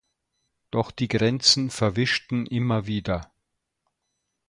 Doch die Grenzen verwischten immer wieder.